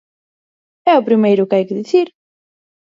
É o primeiro que hai que dicir.